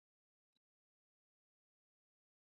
在今山东省境。